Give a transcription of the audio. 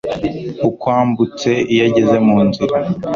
ukwambutse iyo ageze mu nzira